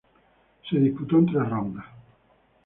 Se disputó en tres rondas.